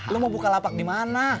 lo mau buka lapak di mana